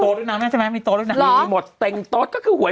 โต๊ะดุ้น้ำน่ะใช่มั้ยมีโตร๊ะรออมอดเต็มโต๊ะคือห่วย